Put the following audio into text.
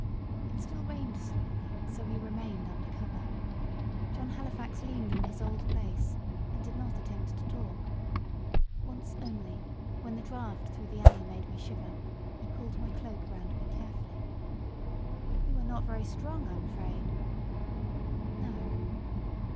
It still rained slightly, so we remained under cover. John Halifax leaned in his old place, and did not attempt to talk. Once only, when the draught through the alley made me shiver, he pulled my cloak round me carefully. "You are not very strong, I'm afraid?" "No."